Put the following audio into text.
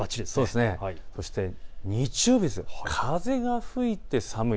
そして日曜日、風が吹いて寒い。